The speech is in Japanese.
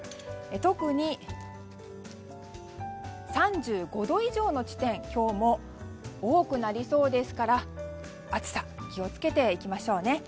特に、３５度以上の地点が今日も多くなりそうですから暑さに気を付けていきましょうね。